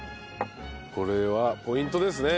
これはポイントですね。